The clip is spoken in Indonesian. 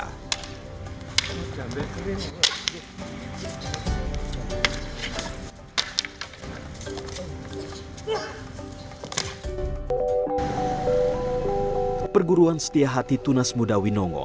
pertarungan yang terbaik adalah perguruan setia hati tunas muda winongo